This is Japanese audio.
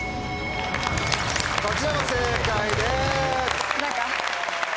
こちらも正解です。